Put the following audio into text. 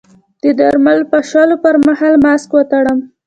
د درمل پاشلو پر مهال ماسک وتړم؟